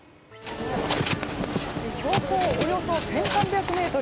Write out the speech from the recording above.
標高およそ１３００ｍ。